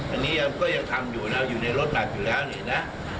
อันนี้ก็ยังทำอยู่นะอยู่ในรถแมพอยู่แล้วนี่นะ